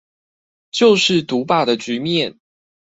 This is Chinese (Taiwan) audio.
就是獨霸的局面